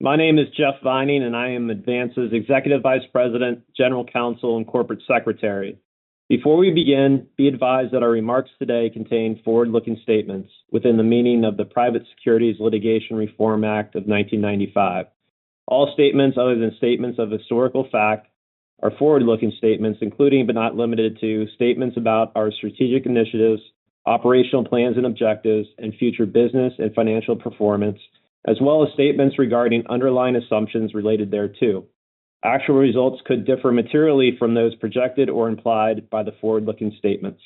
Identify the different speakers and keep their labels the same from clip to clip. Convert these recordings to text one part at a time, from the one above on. Speaker 1: My name is Jeff Vining, and I am Advance's Executive Vice President, Eugeneral Counsel, and Corporate Secretary. Before we begin, be advised that our remarks today contain forward-looking statements within the meaning of the Private Securities Litigation Reform Act of 1995. All statements other than statements of historical fact are forward-looking statements, including but not limited to statements about our strategic initiatives, operational plans and objectives, and future business and financial performance, as well as statements regarding underlying assumptions related thereto. Actual results could differ materially from those projected or implied by the forward-looking statements.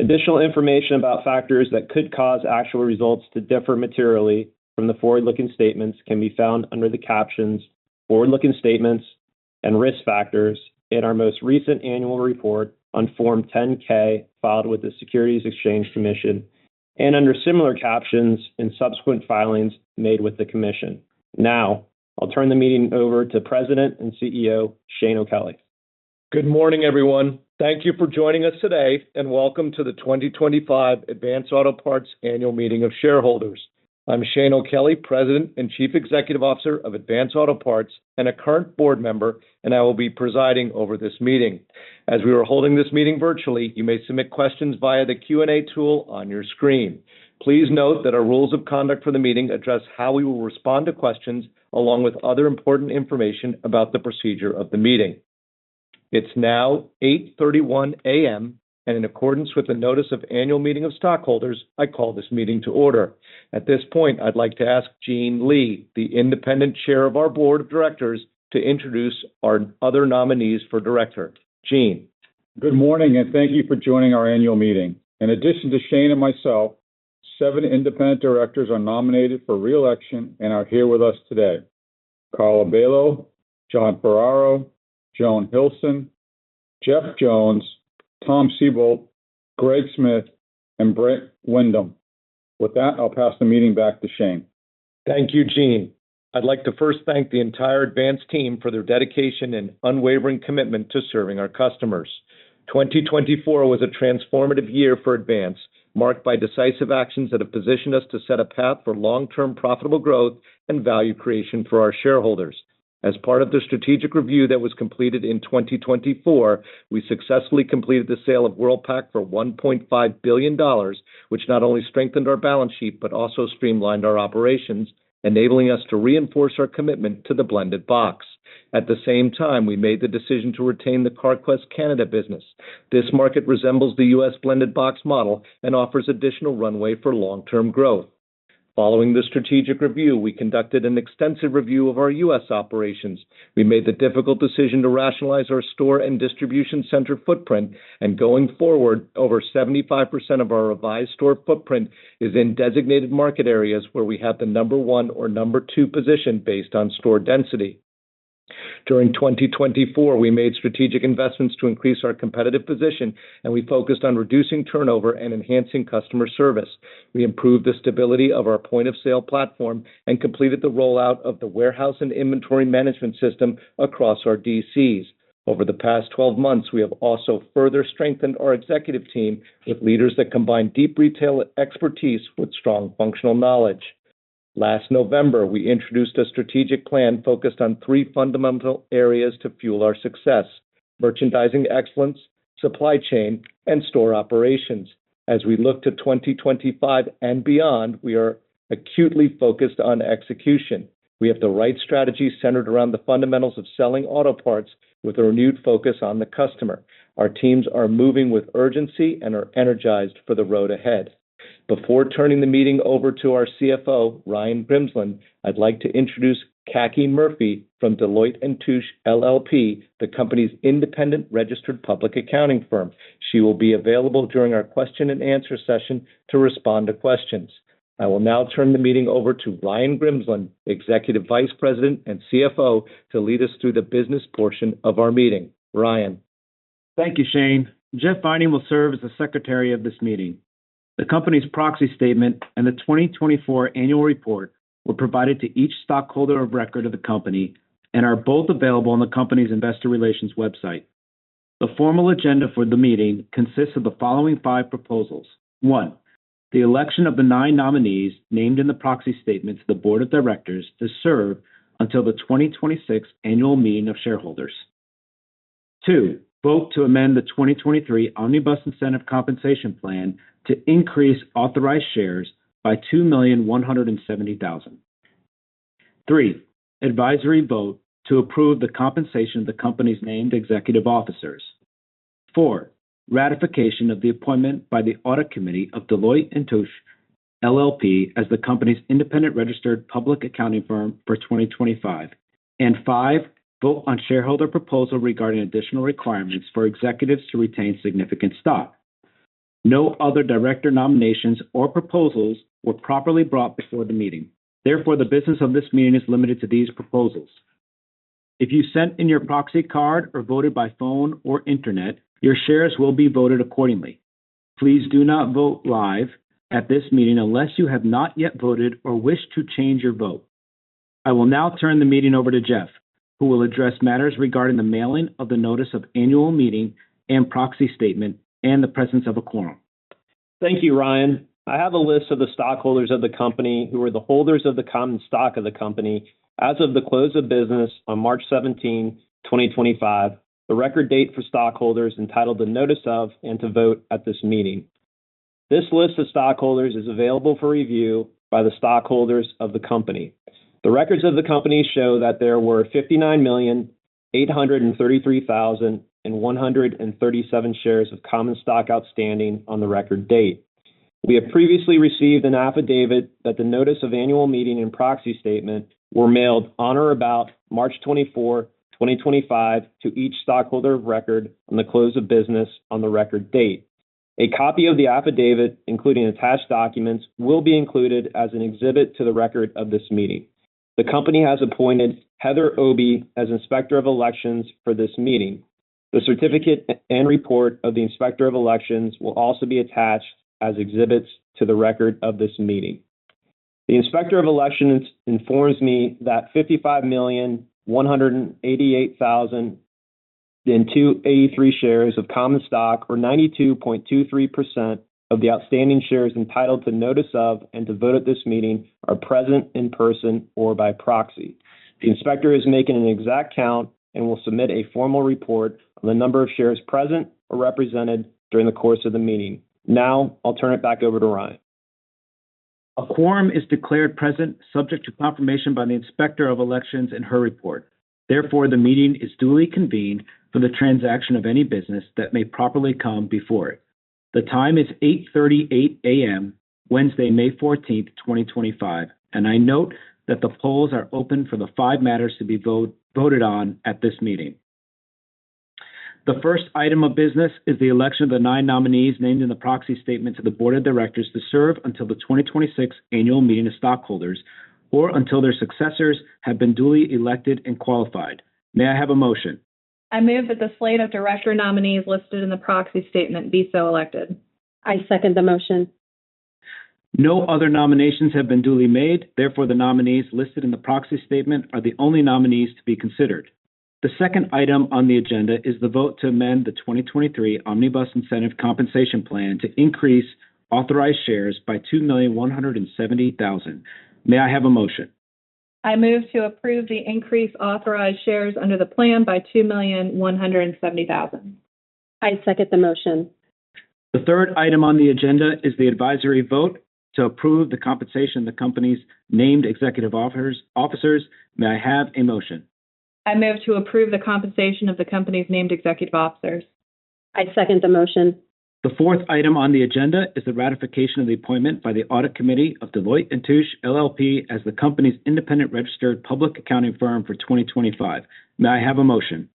Speaker 1: Additional information about factors that could cause actual results to differ materially from the forward-looking statements can be found under the captions "Forward-looking Statements" and "Risk Factors" in our most recent annual report on Form 10-K filed with the Securities and Exchange Commission, and under similar captions in subsequent filings made with the Commission. Now, I'll turn the meeting over to President and CEO Shane O'Kelly.
Speaker 2: Good morning, everyone. Thank you for joining us today, and welcome to the 2025 Advance Auto Parts Annual Meeting of Shareholders. I'm Shane O'Kelly, President and Chief Executive Officer of Advance Auto Parts and a current board member, and I will be presiding over this meeting. As we are holding this meeting virtually, you may submit questions via the Q&A tool on your screen. Please note that our rules of conduct for the meeting address how we will respond to questions, along with other important information about the procedure of the meeting. It's now 8:31 A.M., and in accordance with the Notice of Annual Meeting of stockholders, I call this meeting to order. At this point, I'd like to ask Eugene Lee, the independent chair of our Board of Directors, to introduce our other nominees for director. Eugene.
Speaker 3: Good morning, and thank you for joining our annual meeting. In addition to Shane and myself, seven independent directors are nominated for reelection and are here with us today: Carla Bailo, John Ferraro, Joan Hilson, Jeff Jones, Tom Siebold, Greg Smith, and Brent Windom. With that, I'll pass the meeting back to Shane.
Speaker 2: Thank you, Eugene. I'd like to first thank the entire Advance team for their dedication and unwavering commitment to serving our customers. 2024 was a transformative year for Advance, marked by decisive actions that have positioned us to set a path for long-term profitable growth and value creation for our shareholders. As part of the strategic review that was completed in 2024, we successfully completed the sale of WORLDPAC for $1.5 billion, which not only strengthened our balance sheet but also streamlined our operations, enabling us to reinforce our commitment to the blended box. At the same time, we made the decision to retain the Carquest Canada business. This market resembles the U.S. blended box model and offers additional runway for long-term growth. Following the strategic review, we conducted an extensive review of our U.S. operations. We made the difficult decision to rationalize our store and distribution center footprint, and going forward, over 75% of our revised store footprint is in designated market areas where we have the Number 1 or Number 2 position based on store density. During 2024, we made strategic investments to increase our competitive position, and we focused on reducing turnover and enhancing customer service. We improved the stability of our point-of-sale platform and completed the rollout of the warehouse and inventory management system across our DCs. Over the past 12 months, we have also further strengthened our executive team with leaders that combine deep retail expertise with strong functional knowledge. Last November, we introduced a strategic plan focused on three fundamental areas to fuel our success: merchandising excellence, supply chain, and store operations. As we look to 2025 and beyond, we are acutely focused on execution. We have the right strategy centered around the fundamentals of selling auto parts, with a renewed focus on the customer. Our teams are moving with urgency and are energized for the road ahead. Before turning the meeting over to our CFO, Ryan Grimsland, I'd like to introduce Kathy Murphy from Deloitte & Touche LLP, the company's independent registered public accounting firm. She will be available during our question-and-answer session to respond to questions. I will now turn the meeting over to Ryan Grimsland, Executive Vice President and CFO, to lead us through the business portion of our meeting. Ryan.
Speaker 4: Thank you, Shane. Jeff Vining will serve as the Secretary of this meeting. The company's Proxy Statement and the 2024 annual report were provided to each stockholder of record of the company and are both available on the company's Investor Relations website. The formal agenda for the meeting consists of the following five proposals: 1. The election of the nine nominees named in the Proxy Statement to the Board of Directors to serve until the 2026 annual meeting of shareholders. 2. Vote to amend the 2023 Omnibus Incentive Compensation Plan to increase authorized shares by 2,170,000. 3. Advisory vote to approve the compensation of the company's named executive officers. 4. Ratification of the appointment by the Audit Committee of Deloitte & Touche LLP as the company's independent registered public accounting firm for 2025. 5. Vote on shareholder proposal regarding additional requirements for executives to retain significant stock. No other director nominations or proposals were properly brought before the meeting. Therefore, the business of this meeting is limited to these proposals. If you sent in your proxy card or voted by phone or internet, your shares will be voted accordingly. Please do not vote live at this meeting unless you have not yet voted or wish to change your vote. I will now turn the meeting over to Jeff, who will address matters regarding the mailing of the Notice of Annual Meeting and Proxy Statement and the presence of a quorum.
Speaker 1: Thank you, Ryan. I have a list of the stockholders of the company who are the holders of the common stock of the company as of the close of business on March 17, 2025, the record date for stockholders entitled to notice of and to vote at this meeting. This list of stockholders is available for review by the stockholders of the company. The records of the company show that there were 59,833,137 shares of common stock outstanding on the record date. We have previously received an affidavit that the Notice of Annual Meeting and Proxy Statement were mailed on or about March 24, 2025, to each stockholder of record on the close of business on the record date. A copy of the affidavit, including attached documents, will be included as an exhibit to the record of this meeting. The company has appointed Heather Obey as Inspector of Elections for this meeting. The certificate and report of the Inspector of Elections will also be attached as exhibits to the record of this meeting. The Inspector of Elections informs me that 55,188,283 shares of common stock, or 92.23% of the outstanding shares entitled to notice of and to vote at this meeting, are present in person or by proxy. The Inspector is making an exact count and will submit a formal report of the number of shares present or represented during the course of the meeting. Now, I'll turn it back over to Ryan.
Speaker 4: A quorum is declared present, subject to confirmation by the Inspector of Elections and her report. Therefore, the meeting is duly convened for the transaction of any business that may properly come before it. The time is 8:38 A.M., Wednesday, May 14, 2025, and I note that the polls are open for the five matters to be voted on at this meeting. The first item of business is the election of the nine nominees named in the Proxy Statement to the Board of Directors to serve until the 2026 Annual Meeting of Stockholders or until their successors have been duly elected and qualified. May I have a motion?
Speaker 5: I move that the slate of director nominees listed in the Proxy Statement be so elected.
Speaker 6: I second the motion.
Speaker 4: No other nominations have been duly made. Therefore, the nominees listed in the Proxy Statement are the only nominees to be considered. The second item on the agenda is the vote to amend the 2023 Omnibus Incentive Compensation Plan to increase authorized shares by 2,170,000. May I have a motion?
Speaker 5: I move to approve the increase authorized shares under the plan by 2,170,000.
Speaker 6: I second the motion.
Speaker 4: The third item on the agenda is the advisory vote to approve the compensation of the company's named executive officers. May I have a motion?
Speaker 5: I move to approve the compensation of the company's named executive officers.
Speaker 6: I second the motion.
Speaker 4: The fourth item on the agenda is the ratification of the appointment by the Audit Committee of Deloitte & Touche LLP as the company's independent registered public accounting firm for 2025. May I have a motion?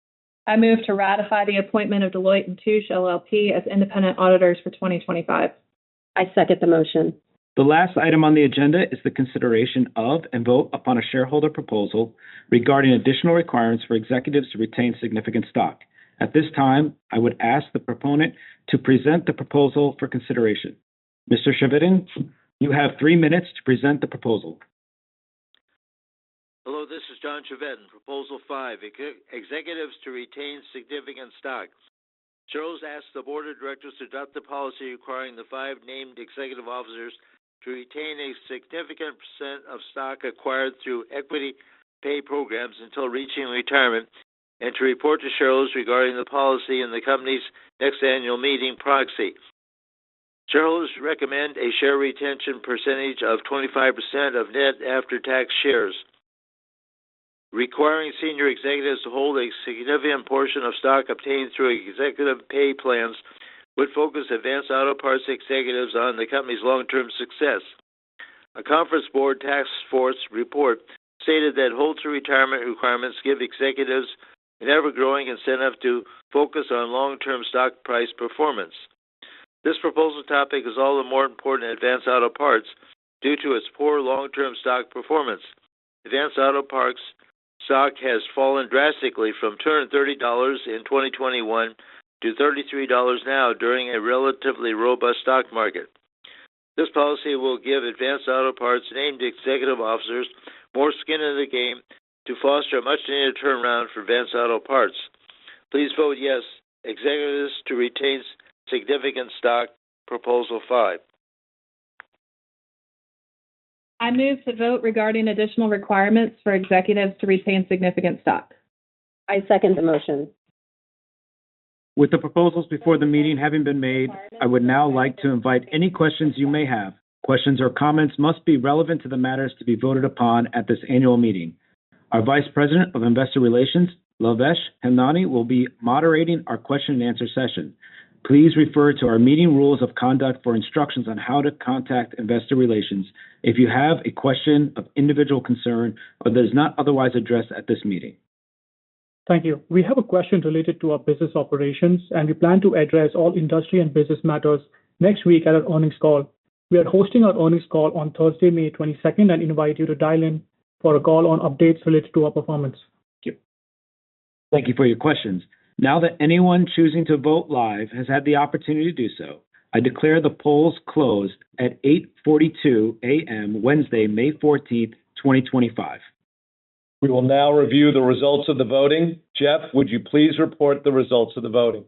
Speaker 5: I move to ratify the appointment of Deloitte & Touche LLP as independent auditors for 2025.
Speaker 6: I second the motion.
Speaker 4: The last item on the agenda is the consideration of and vote upon a shareholder proposal regarding additional requirements for executives to retain significant stock. At this time, I would ask the proponent to present the proposal for consideration. Mr. Shevden, you have three minutes to present the proposal.
Speaker 7: Hello, this is John Shevden. Proposal 5: Executives to retain significant stock. Choose as the Board of Directors to adopt the policy requiring the five named executive officers to retain a significant percentage of stock acquired through equity pay programs until reaching retirement and to report to shareholders regarding the policy in the company's next Annual Meeting proxy. Shareholders recommend a share retention percentage of 25% of net after-tax shares. Requiring senior executives to hold a significant portion of stock obtained through executive pay plans would focus Advance Auto Parts executives on the company's long-term success. A conference board task force report stated that hold-to-retirement requirements give executives an ever-growing incentive to focus on long-term stock price performance. This proposal topic is all the more important in Advance Auto Parts due to its poor long-term stock performance. Advance Auto Parts stock has fallen drastically from $230 in 2021 to $33 now during a relatively robust stock market. This policy will give Advance Auto Parts named executive officers more skin in the game to foster a much-needed turnaround for Advance Auto Parts. Please vote yes, executives to retain significant stock, Proposal 5.
Speaker 5: I move to vote regarding additional requirements for executives to retain significant stock.
Speaker 6: I second the motion.
Speaker 4: With the proposals before the meeting having been made, I would now like to invite any questions you may have. Questions or comments must be relevant to the matters to be voted upon at this annual meeting. Our Vice President of Investor Relations, Lavesh Hemnani, will be moderating our question-and-answer session. Please refer to our meeting rules of conduct for instructions on how to contact Investor Relations if you have a question of individual concern or that is not otherwise addressed at this meeting.
Speaker 8: Thank you. We have a question related to our business operations, and we plan to address all industry and business matters next week at our earnings call. We are hosting our earnings call on Thursday, May 22nd, and invite you to dial in for a call on updates related to our performance.
Speaker 4: Thank you. Thank you for your questions. Now that anyone choosing to vote live has had the opportunity to do so, I declare the polls closed at 8:42 A.M. Wednesday, May 14, 2025.
Speaker 3: We will now review the results of the voting. Jeff, would you please report the results of the voting?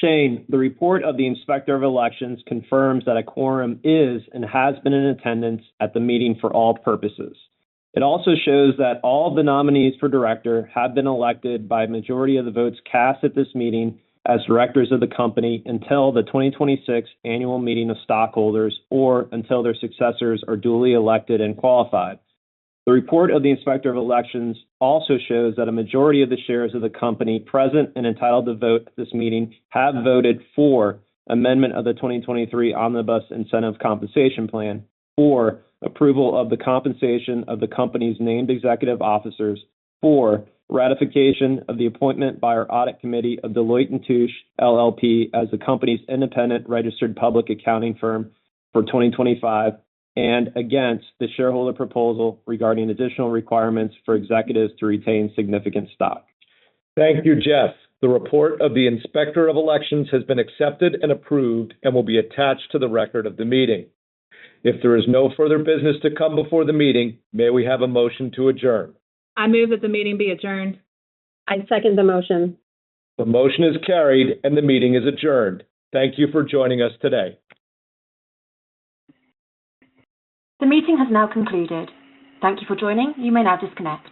Speaker 1: Shane, the report of the Inspector of Elections confirms that a quorum is and has been in attendance at the meeting for all purposes. It also shows that all of the nominees for director have been elected by a majority of the votes cast at this meeting as directors of the company until the 2026 Annual Meeting of Stockholders or until their successors are duly elected and qualified. The report of the Inspector of Elections also shows that a majority of the shares of the company present and entitled to vote at this meeting have voted for amendment of the 2023 Omnibus Incentive Compensation Plan, for approval of the compensation of the company's named executive officers, for ratification of the appointment by our Audit Committee of Deloitte & Touche LLP as the company's independent registered public accounting firm for 2025, and against the shareholder proposal regarding additional requirements for executives to retain significant stock.
Speaker 3: Thank you, Jeff. The report of the Inspector of Elections has been accepted and approved and will be attached to the record of the meeting. If there is no further business to come before the meeting, may we have a motion to adjourn?
Speaker 5: I move that the meeting be adjourned.
Speaker 6: I second the motion.
Speaker 3: The motion is carried, and the meeting is adjourned. Thank you for joining us today.
Speaker 9: The meeting has now concluded. Thank you for joining. You may now disconnect.